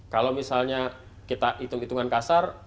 kalau misalnya kita hitung hitungan kasar